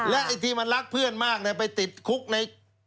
ไอ้ที่มันรักเพื่อนมากไปติดคุกใน